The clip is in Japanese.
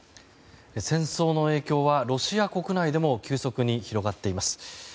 戦争の影響はロシア国内でも急速に広がっています。